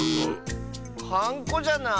はんこじゃない？